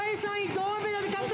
銅メダル獲得！